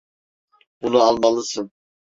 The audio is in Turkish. Bunu almalısın.